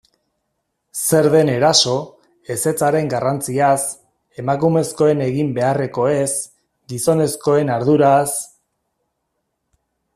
Zer den eraso, ezetzaren garrantziaz, emakumezkoen egin beharrekoez, gizonezkoen arduraz...